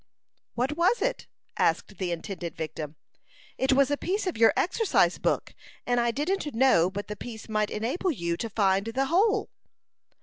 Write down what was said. "What was it?" asked the intended victim. "It was a piece of your exercise book; and I didn't know but the piece might enable you to find the whole."